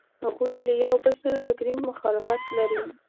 هغوی له یوبل سره فکري مخالفت لري.